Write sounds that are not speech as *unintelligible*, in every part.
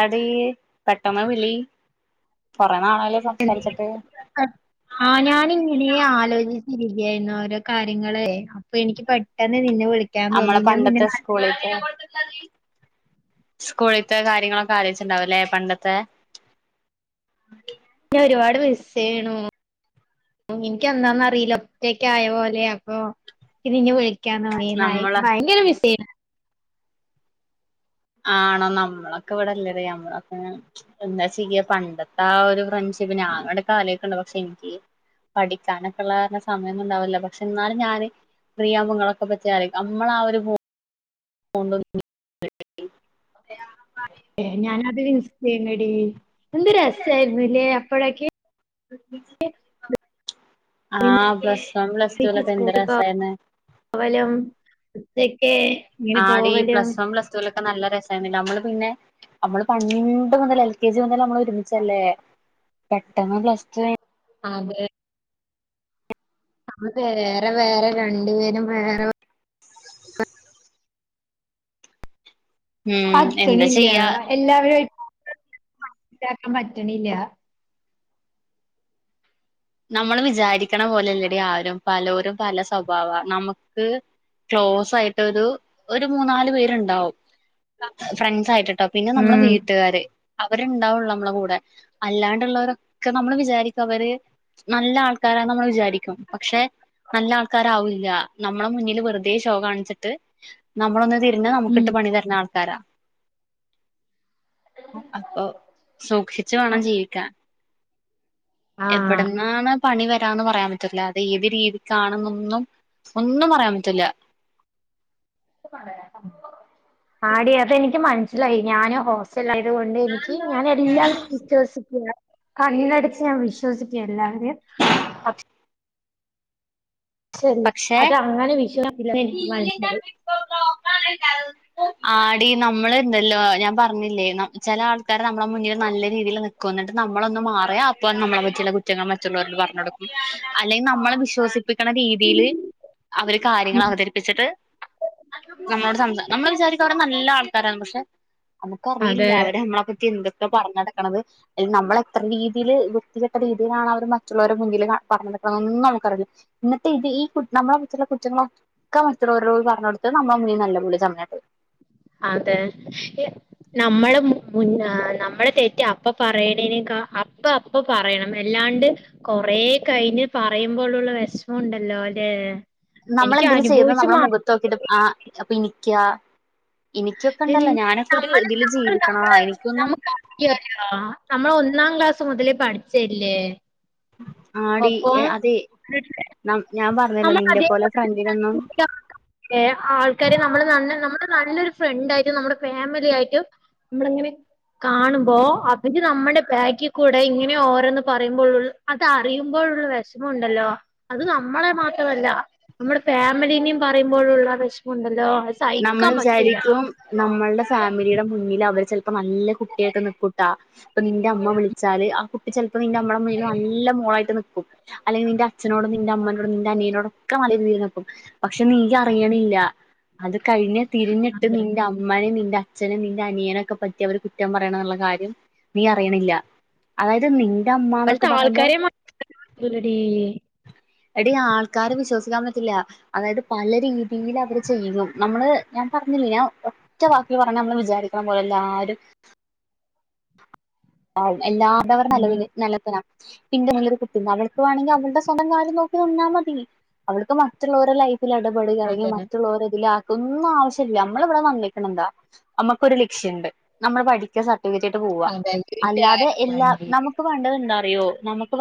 എടി പെട്ടമ്മ വിളി കൊറെ നാളായല്ലോ സംസാരിച്ചിട്ട് ആ ഞാന ഇങ്ങനെ ആലോചിച്ചില്ല. ഓരോ കാര്യങ്ങളേ അപ്പൊ എനിക്ക് പെട്ടെന്ന് നിന്നെ വിളിക്കാന്ന് തോന്നി ഞാൻ നിന്നെ സ്കൂളിൽത്തെ കാര്യങ്ങളൊക്കെ ആലോയ്ച്ച്ണ്ടാവുലേ പണ്ടത്തെ ഞാ ഒരുപാട് മിസ്സെയ്യ്ണു ഉം ഇൻക്കിന്താന്നറീല ഒറ്റൊക്കായ പോലെ അപ്പൊ ക്ക് നിന്നെ വിളി ക്കാൻ തോന്നി നായ് നമ്മള് ഭയങ്കര മിസ്സെയ്ണ് ആണോ നമ്മളൊക്കെ ഇവ്ടെല്ലടെ ഞമ്മളൊക്കെ എന്താ ചെയ്യ പണ്ട ആ ഒരു ഫ്രണ്ട്ഷിപ്പ് ഞാനെടക്കാലൊയ്ക്ക്ണ്ട് ക്ഷെ എനിക്ക് പഠിക്കാനൊക്കെള്ള കാരണം സമയൊന്നുണ്ടാവുല്ല പക്ഷെ ന്നാലും ഞാന് ഫ്രീയാവുമ്പങ്ങളൊക്കെപ്പം ചേരെ അമ്മള ആ ഒര് ബോ ബോണ്ട് *unintelligible* ഏ ഞാനത് വിൻസെയ്ന്നെടീ എന്ത് രസേയ്ര്ന്ന്ല്ലേ അപ്പളെക്കെ ആ പ്ലസ് സം പ്ലസ് റ്റുക്കെപ്പെന്ത് സ്കൂളിൽ രസായ്ര്ന്ന് ഏ ങ്ങനെ പോവലോ വൺ പ്ലസ് ടുവിലൊക്കെ നല്ല രസായ്ര്ന്നില്ലേ അമ്മള് പിന്നെ അമ്മള് പണ്ട് മുതല് എൽകെജി മുതല് അമ്മളൊ ര്മിച്ചല്ലേ പെട്ടന്ന് പ്ലസ് റ്റുയ് ആതേ നമ്മള് വേറെ വേറെ രണ്ട്പേരും വേറെ ഉം എന്താ പറ്റണില്ലാ ചെയ്യാ എല്ലാവരായ് കേക്കാൻ പറ്റണില്ലാ നമ്മള് വിചാരിക്കണ പോലല്ലടി ആരും പലോരും പല സ്വഭാവാ നമക്ക് ക്ലോസ്സായിട്ടൊരു ഒരു മൂന്നാലു പേരുണ്ടാവും ഫ്രണ്ട്സായിട്ടട്ടോ പിന്നെ നമ്മള് ഉം വീട്ട്കാര് അവരുണ്ടാവുള്ളു നമ്മടെ കൂടെ അല്ലാണ്ടുള്ളവരൊക്കെ നമ്മള് വിചാരിക്കും അവര് നല്ല ആൾ ക്കാരാന്ന് നമ്മള് വിചാരിക്കും പക്ഷെ നല്ല ആൾക്കാരാവൂല്ല നമ്മടെ മുന്നില് വെറുതേ ഷോ കാണിച്ചിട്ട് നമ്മളൊന്ന് തി രിഞ്ഞാ പിന്നെ ഉം നമുക്കിട്ട് പണി തരുന്ന ആൾ തരാ അപ്പൊ സൂക്ഷിച്ച് വേണം ജീവിക്കാൻ ആ എവിടുന്നാണ് പണി വ ട്ടാന്ന് പറയാം പറ്റല്ല അത് ഏത് രീതിക്കാണന്നൊന്നും ഒന്നും പറയാം പറ്റില്ല ആടി അതെനിക്ക് മൻസ് സ്സിലായി ഞാന് ഹോസ് പിറ്റെല്ലായതുകൊണ്ട് എനിക്ക് ഞാനെല്ലാം *unintelligible* കണ്ണടച്ച് ഞാൻ വിശ്വസിക്കും എല്ലാവരേം പ ക്ഷേ പക്ഷെ അതങ്ങനെ വിശ്വാസം ഇല്ല എനിക്ക് മനസിലായി ആടി നമ്മൾ ഇണ്ടല്ലോ ഞാൻ പറഞ്ഞില്ലേ നം ചെല ആൾക്കാര് നമ്മടെ മുന്നില് നല്ല രീതിയില് നിക്കും എന്നിട്ട് നമ്മളൊന്ന് മാറിയാ അപ്പൊ നമ്മളെ പറ്റിയുള്ള കുറ്റങ്ങൾ മറ്റുള്ളവരില് പറഞ്ഞ് കൊടുക്കും അല്ലെങ്കിൽ നമ്മളെ വിശ്വസിപ്പിക്കണ രീതീല് അവര് കാര്യങ്ങള് അവതരിപ്പിച്ചിട്ട് നമ്മളോട് സംസ നമ്മള് വിചാരിക്കും ആ വര് നല്ല ആൾക്കാരാന്ന് പക്ഷേ അതെ നമുക്കറിയില്ലല്ലോ അവര് നമ്മളെപ്പറ്റി എന്ത്‌ പറഞ്ഞ് നടക്കണത് ഏ നമ്മളെത്ര രീതില് വൃത്തികെട്ട രീതിയിലാണ് അവര് മറ്റുള്ളവരുടെ മുന്നില് ന പറഞ്ഞ് നടക്കണതൊന്നും അമുക്കറിയില്ല ഇന്ന തി കു നമ്മളെ കുച്ചുള്ള കുറ്റങ്ങളൊക്കെ മറ്റുള്ളരോട് പറഞ്ഞൊടുത്ത് നമ്മ മുന്നിൽ നല്ല പുള്ള ചമഞ്ഞിട്ട് അതേ നമ്മള് മു മുന്നാ നമ്മളെ തെറ്റ് അപ്പ പറയണേനേക്കാ അപ്പ അപ്പ പറയണം അല്ലാണ്ട് കൊറേ കഴിഞ്ഞ് പറയുമ്പോഴുള്ള വിഷമം ഉണ്ടല്ലോ അല്ലേ നമ്മളെന്തേലും ചെയ്യതാ നമ്മടെ മുഖത്ത് നോക്കിട്ട് ആ അപ്പെനി ക്യാ എ നമ്മള് നമ്മള് ജീവിക്കണതാ നമ്മള് എനിക്കൊന്നും നമ്മക്ക് *unintelligible* നമ്മള് ഒന്നാം ക്ലാസ് മുതലേ പഠിച്ചയല്ലേ ആടി എ അതെ നം ഞാൻ പറ നമ്മൾ അതെ ആൾക്കാരെ *unintelligible* ആൾക്കാരെ നമ്മള് നല്ല നമ്മുടെ നല്ലൊരു ഫ്രണ്ടായിട്ടും നമ്മുടെ ഫാമിലി ആയിട്ടും നമ്മളങ്ങനെ കാണുമ്പോ അവര് നമ്മുടെ ബാക്കിൽ കൂടെ ഇങ്ങനെ ഓരോന്ന് പറയുമ്പോഴ അത് അറിയുമ്പോഴുള്ള വിഷമമുണ്ടല്ലോ അത് നമ്മളെ മാ ത്രമല്ല നമ്മുടെ ഫാമിലിനേം പറയുമ്പോഴുള്ള വിഷമം ഉണ്ടല്ലോ നമ്മൾ വിചാരിക്കും നമ്മളുടെ ഫാമിലിയുടെ മുന്നിൽ അവർ അപ്പൊ നല്ല കുട്ടിയായിട്ട് നില്ക്കൂട്ടാ ഇപ്പൊ നിന്റെ അമ്മ വിളിച്ചാല് ആ കു *unintelligible* ഇപ്പ നിന്റെ അമ്മടെ മുന്നില് നല്ല മോളായിട്ട്. അല്ലെങ്കിൽ നിന്റെ അച്ഛനോടും നിന്റെ അമ്മനോടും നിന്റെ അനിയനോടെക്കെ നല്ല രീതി നിക്കും പക്ഷെ നീ അറിയണില്ല. അത് കഴിഞ്ഞ് തിരിഞ്ഞിട്ട് അതെ നിന്റെ അമ്മനെയും നിന്റെ അ അച്ഛനെയും നിന്റെ അനിയനെ ഒക്കെ പറ്റി അവർ കുറ്റം പറയണയുള്ള കാര്യം നീ അറിയണില്ല അതായത് നി ഇപ്പോഴത്തെ ആൾക്കാരെ. *inaudible* എടീ ആൾക്കാരെ വിശ്വസിക്കാൻ പറ്റില്ല അതായട്ട് പല രീതിയില് അവര് ചെയ്യുന്നു. നമ്മള് ഞാൻ പറഞ്ഞില്ലേ ഞാൻ ഒറ്റ വാക്കില് പറഞ്ഞാൽ നമ്മള് വിചാരിക്കണം പോലെയല്ല എല്ലാരും. ആ എല്ലാരോടും ഉം നിലവില് നല്ലവനാ. പിന്നെ നല്ലൊരു കുട്ടിയുണ്ട് അവൾക്ക് വേണമെങ്കിൽ അവളുടെ സ്വന്തം കാര്യം നോക്കി നിന്നാൽ മതി അവൾക്ക് മറ്റുള്ളവരുടെ ലൈഫ്. ഇതിൽ ഇടപെടുക ആണെങ്കിൽ അതെ മറ്റുള്ളവരുടെ ഇതിൽ. ഒന്നും ആവശ്യയല്ല നമ്മള് ഇവിടെ വന്നേക്കണം എന്താ നമ്മുക്കൊരു ലക്ഷ്യയുണ്ട് നമ്മൾ പഠിക്കാ സ ജയിച്ചിട്ട് പോവാ. അതെ അല്ലാതെ വീട്ടുകാർക്ക് എല്ലാ വേണ്ടി നമുക്ക് വേണ്ടവർ. എന്താറിയോ നമുക്ക്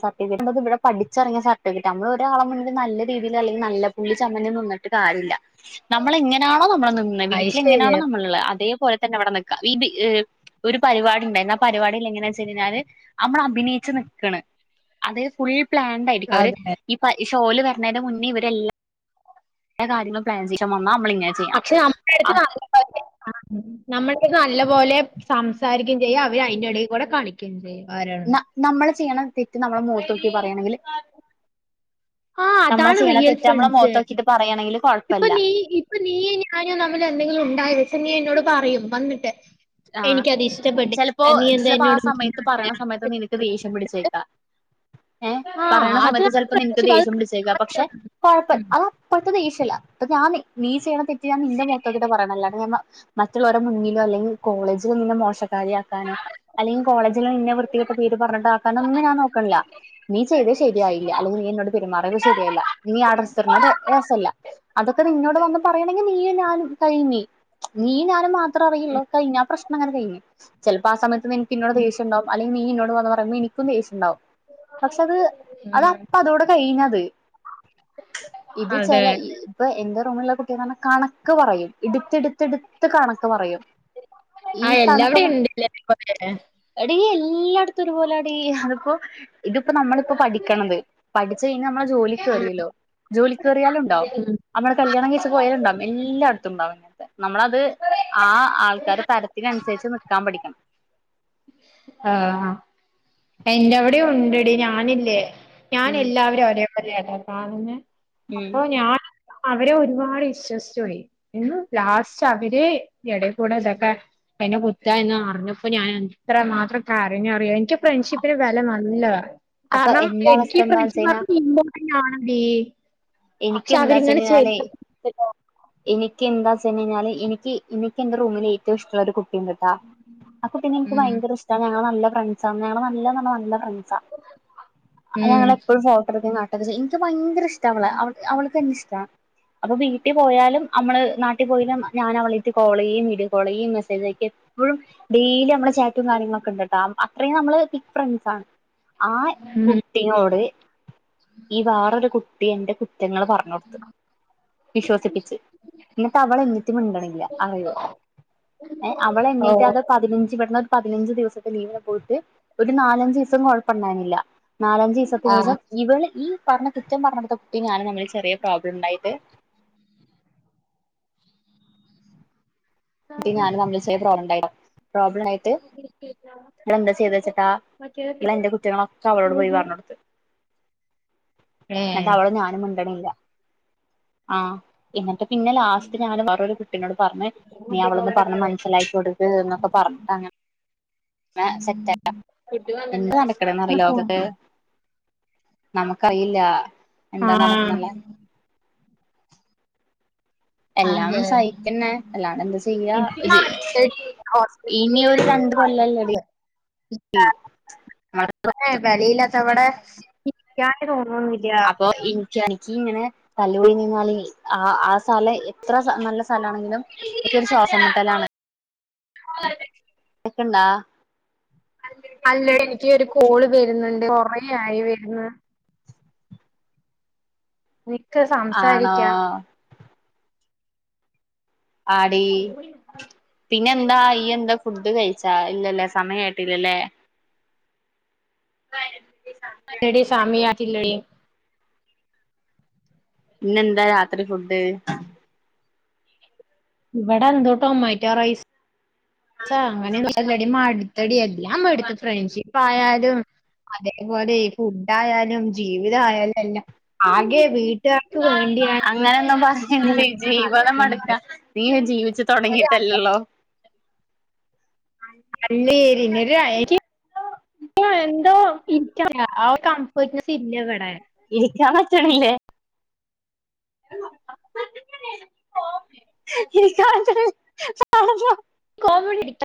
സർട്ടിഫിക്കറ്റ് നമുക്ക് ഇവിടെ പഠിച്ചിറങ്ങിയ സർട്ടിഫിക്കറ്റ് നമ്മള് ഒരാളെ മുന്നില് നല്ല രീതിയിൽ അല്ലെങ്കിൽ നല്ല പുള്ളി ചമ്മഞ്ഞ് നിന്നിട്ട് കാര്യയല്ല. നമ്മള് എങ്ങനെയാണോ നമ്മള് നിന്ന് അത് വീട്ടില് എങ്ങനെയാണോ ശരിയാ നമ്മള് ഉള്ള അതേ പോലെ തന്നെ അവിടെ നിൽക്കാ ഇത് ഒരു പരിപാടി ഉണ്ടായിരുന്നു ആ പരിപാടിയിൽ എങ്ങനെ സെമിനാറി നമ്മൾ അഭിനയിച്ചു നിക്കാണ്. അതെ ഫുള്ള് പ്ലാൻഡ് ആയിരിക്കും അത് അവര് ഈ പൈ ഓല് വരണന് മുന്നേ ഇവരെല്ലാ എല്ലാ കാര്യങ്ങളും പ്ലാൻ ചെയ്തു. പക്ഷെ നമ്മടെ അടുത്ത് *inaudible* നമ്മൾക്ക് നല്ലപോലെ സംസാരിക്ക ചെയ്യാം അവര് അയിന്റെ ഇടയ്ക്കൂടെ കാണിക്കുകയും ചെയ്യും. ആരാണ് അല്ല നമ്മള് ചെയ്യണ തെറ്റ് നമ്മളെ മോത്തോക്കി പറയാണെങ്കില്. ആഹ് അതാണ് റിയൽ നമ്മളെ ഫ്രണ്ട്സ് മുഖത്ത് നോക്കിയിട്ട് പറയാണെങ്കിൽ ഇപ്പൊ കുഴപ്പമില്ല നീ ഇപ്പെ നീയും ഞാനും തമ്മിൽ എന്തെങ്കിലും ഉണ്ടായാൽ. നീ എന്നോട് പറയും വന്നിട്ട്. ആഹ് എനിക്കത് ഇഷ്ടപ്പെട്ടില്ല ചിലപ്പോ നീ എന്താ ചിലപ്പോ ആ എന്നോട് സമയത്ത് മിണ്ടാത്തെ? പറയണ സമയത്ത് അങ്ങനത്തെ നിനക്ക് ഒക്കെ ദേഷ്യം ചോദിക്കും. പിടിച്ചേക്കാം. ഏഹ് ആ പറയണ സമയത്ത് അതാണ് ചിലപ്പോ നിനക്ക് ഫ്രണ്ട്ഷിപ്പ് ദേഷ്യം പിടിച്ചേക്കാം പക്ഷെ അത് കൊഴപ്പില്ല ഉം. ആ അപ്പോഴത്തെ ദേഷ്യം. കൊഴപ്പമില്ല അപ്പൊ ഞാൻ നീ ചെയ്യാണം തെറ്റ്. ഇത് ഞാൻ നിന്റെ മുഖത്ത് നോക്കിട്ട് ആണ് പറയാണം അല്ലാതെ. മറ്റ്ല്ലോരെ മുന്നിലോ അല്ലെങ്കി കോളേജിൽ നിന്നെ മോശ കളിയാക്കാനോ അല്ലെങ്കി കോളേജില് നിന്നെ വൃത്തികെട്ട പേര് പറഞ്ഞിട്ട് ആക്കാനോന്നും ഞാൻ നോക്ക്ണ്ല്ല നീ ചെയ്ത് ശരിയായില്ല അല്ലെങ്കി നീ എന്നോട് പെരുമാറിയത് ശരിയല്ല ഇനി ആ ഡസ്റ്റർമല് രസല്ല അതൊക്കെ നിന്നോട് വന്ന് പറയണെങ്കിൽ നീയും ഞാ കഴിഞ്ഞി നീയും ഞാനും മാത്ര അറിയ്ള്ളു കയ്ഞ്ഞ് ആ പ്രശ്നങ്ങനെ കയ്ഞ്ഞ് ചെലപ്പ ആ സമയ നിൻക്ക്ന്നോട് ദേഷ്യണ്ടാവും അല്ലങ്കി നീ ഇന്നോ വന്നു പറയുമ്പോ എനിക്കും ദേശ്യണ്ടാവും പക്ഷെ അത് അത് ഉം അപ്പ അതോടെ കഴിഞ്ഞത് ഇത് അതെ ചെല ഇപ്പൊ എന്റെ ഇപ്പോള്ള കുട്ടിന്ന് പറഞ്ഞ കണക്ക് പറയും ഇടുത്ത്ടുത്ത്ടുത്ത് കണക്ക് പറയും ഈ ആ എല്ലാവടെ കണക്ക് ണ്ട്ല്ലേ *unintelligible* ഈ അടുത്ത് ഒരുപോലെ അതിപ്പോ ഇത്പ്പോ നമ്മള്പ്പോ പഠിക്ക്ണത് പഠിച്ചു കഴിഞ്ഞാ നമ്മള് ജോലി കേറിയല്ലോ ജോലി കേറിയാലും ണ്ടാവും നമ്മള് കല്യാണം കഴിച്ച് പോയാലുംണ്ടാവും എല്ലാ *unintelligible* നമ്മളത് ആ ആൾ ഉം ആള്ക്കാരെ തരത്തിനൻസര്ച്ച് നിക്കാൻ പഠിക്കണം ആ എന്റെ അവിടെ ഉണ്ടെടി ഞാനില്ലേ ഞാൻ ഉം എല്ലാവെരെ ഒരേ ലേട്ടാ കാണുന്നെ ഉം അപ്പൊ ഞാൻ അവരെ ഒരുപാട് വിശ്വസ്ച്ചാേയി എന്ന് ലാസ്റ്റ് അവരെ എടേക്കൂടെ ഇതൊക്കെ എന്നെ കുത്ത എന്ന് അറിഞ്ഞപ്പ ഞാൻ എത്ര മാത്രം കരഞ്ഞറിയോ എനിക്ക് ഫ്രണ്ട്ഷിപ്പിന് വെലമാ ഇല്ല അപ്പൊ കാരണം എന്റെ അവസ്ഥ എനിക്ക് എന്താന്ന് വെച്ച് കഴിഞ്ഞാ പരിചയുള്ളോർക്ക് *unintelligible* ഞാണതി പക്ഷെ അവരിങ്ങനെ ചെയ് എനിക്ക് എന്താ ചെയ്ഞ്ഞഞ്ഞാല് എനിക്ക് എനിക്ക് എന്റെ റൂമില് ഏറ്റവും ഇഷ്ടുള്ള ഒരു കുട്ടിണ്ട്ട്ടാ ആ കുട്ടീനെ ൻക്ക് ഉം ഭയങ്കര ഇഷ്ടാ ഞങ്ങള് നല്ല ഫ്ര സാണ് നല്ലാന്നർഞ്ഞാ നല്ല ഫ്ര സാ അത് ഉം ഞങ്ങളെപ്പഴും ഫോട്ടോ എടുക്കട്ട കാട്ടൊക്കെ ചെയ്യും ൻ ത് ഭയങ്കര ഇഷ് ഷ്ട അവളെ അവൾ അവൾക്കും എന്നെ ഇഷ്ടാ അപ്പൊ വീട്ടി പോയാലും അമ്മള് നാട്ടിൽ പോയിഞ്ഞ ഞാനവളായ്ട്ട് കാളെയ്യും വീഡിയോ കോളെയ്യും മെസേജയക്ക എപ്പഴും ഡെയ്ലി നമ്മളെ ചാറ്റും കാര്യങ്ങളൊക്കെണ്ട്ട്ടാ അത്രയും നമ്മള് തിക് ഫ്രണ്ട്സാണ് ആ ഉം കുട്ടിയോട് ഈ വേറൊരു കുട്ടി എന്റെ കു ങ്ങള് പറഞ്ഞ് കൊടുത്തു *unintelligible* എന്നിട്ട് അവൾ എൻ്റെടുത്ത് മിണ്ടണില്ല അറിയോ അവൾ ഓ എന്നേകാലും പതിനഞ ഒരു പതിനഞ്ച് ദിവസത്തെ ലീവിനെ പോയിട്ട് ഒരു നാലഞ്ചു ദിവസം കൊഴപ്പമണ്ടാനില്ല നാലഞ്ചു ദിവസത്തിന് ആ ശേഷം ഇവൾ ഈ പറഞ്ഞ കുറ്റം പറഞ്ഞടുത്ത കുട്ടി ഞാനും തമ്മിൽ ചെറിയ പ്രോബ്ലം ഉണ്ടായിട്ട് കുട്ടിയും ഞാനും തമ്മിൽ ചെറിയ പ്രാബ്ളം പ്രോബ്ലം ആയിട്ട് ഇവൾ എന്താ ചെയ്തെവെച്ചിട്ടാ ഇവൾ എന്റെ മറ്റേ കുറ്റങ്ങളൊക്കെ അവളോട് പോയി പറഞ്ഞ് കൊടുത്തത്ത് എന്നിട്ട് അവളും ഞാനും മിണ്ടണില്ല ആഹ് എന്നിട്ട് പിന്നെ ലാസ്റ്റ് ഞാൻ വേറൊരു കുട്ടീനോട് പറഞ്ഞ് നീ അവളൊന്ന് പറഞ്ഞ് മനസ്സിലാക്കി കൊടുക്ക് എന്നൊക്കെ പറഞ്ഞ് അന സെറ്റ്ല്ല എന്ത് നടക്കണേന്ന് അറിയോ ഈ ലോകത്ത് നമുക്കറിയില്ല എന്താ ആഹ് നടക്കുന്നല്ലേ എല്ലാം അതെ സഹിക്കുന്നേ അല്ലാണ്ട് എന്താ ചെയ്യാ ഇനി ഹോസ്പിറ്റലിൽ ഒരു രണ്ട് കൊല്ലല്ലോടി ഇ ഏ വെലയില്ലാത്തവിടെ ക *unintelligible* ന്ന ഇല്ലാ അപ്പൊ എനിക്ക് എനിക്ക് ഇങ്ങനെ തല്ലുപടി നിന്നാല് ആ ആ സ്ഥലം എത്ര നല്ല സഥലമാണെങ്കിലും എനിക്ക് ഒരു ശ്വാസം മുട്ടലാണ് കേൾക്കണണ്ട അല്ല എനിക്ക് ഒരു കോള് വരുന്നുണ്ട് കൊറേ ആയി വരുന്ന് നിക്ക് ആണോ സംസാരിക്കാം ആടി പിന്നെന്താ ഇ ഫുഡ് കഴിച്ചാ ഇല്ല സമയം ആയിട്ടില്ലല്ലേ ആഹ് ആല്ലടി സമയമായിട്ടില്ലടി പിന്നെന്താ രാത്രി ഫുഡ് ഇവിടെ എന്തോ ടൊമാറ്റോ റൈസ് അങ്ങനെ അല്ലടി മട്ത്തടി എല്ലാം മടുത്ത് ഫ്രണ്ട്ഷിപ്പ് ആയാലും അതേപോലെ ഫുഡ് ആയാലും ജീവിത ആയാലും എല്ലാം ആകെ വീട്ടുകാർക്ക് വേണ്ടിയാണ് അങ്ങനൊന്നും *inaudible* *inaudible* ഇയ ജീവി ച്ച് തുടങ്ങിയിട്ടല്ലേ ഉള്ളൂ അല്ലേരി *unintelligible* എന്തോ ഇൻക്കറിയ ആ ഒര് കംഫേർട്നെസ്സ് ഇല്ലവടെ ഇരിക്കാ പറ്റ്ണില്ലേ ഇരിക്കാൻ പറ്റ് *unintelligible* *unintelligible*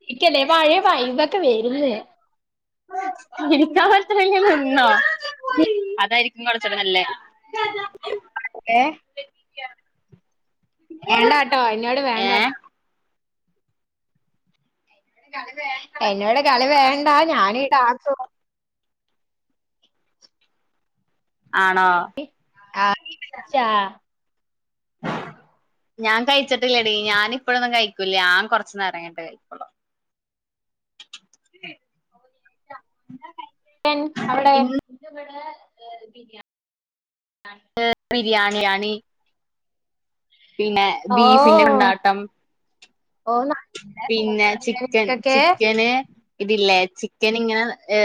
ചിരിക്കല്ലേ പഴയ വൈബൊക്കെ വരുന്ന് നിന്നോ ഏ വേണ്ടാട്ടോ എന്നോട് ഏ വേണ്ടാട്ടോ എന്നോട് കളി വേണ്ട ഞാനീ ടാസ് സുഖം ആണോ ആ ഞാൻ കഴിച്ച് ല്ലേടീ ഞാനിപ്പൊഴൊന്നും കഴി ക്കൂലാ ഞാ കൊറച്ച് നേരം കഴിഞ്ഞിട്ടേ കഴിക്കൊള്ളു. എൻ അവടെ *unintelligible* എ ബിരിയാണിയാണി പിന്നെ ഓ ബീഫിന്റെ കൊണ്ടാട്ടം ഓ പിന്നെ ചിക്കൻ ക്കൊക്കെ ചിക്കന് ഇതില്ലേ ചിക്കനിങ്ങനെ ഏ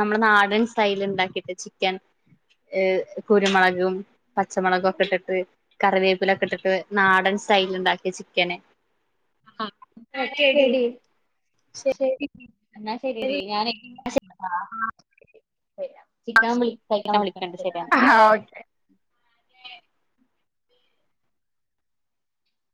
നമ്മളെ നാടൻ സ്റ്റൈല് ഇണ്ടാക്കിട്ട് ചിക്കൻ കുരുമുളകും പച്ചമുളകൊക്കെ ഇട്ടിട്ട് കറിവേ ഉപ്പിലൊക്കെട്ടിട്ട് നാടൻ സ്റ്റയ്ല്ണ്ടാക്കിയ ചിക്കന് അ ഓക്കെടീ ശരി എന്നാ ശരിടീ ഞാനയ് ആ അ വിളിക്കണ്ട് ഹാ ശരിയെന്നാ ഓക്കെ